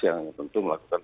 yang tentu melakukan pembubaran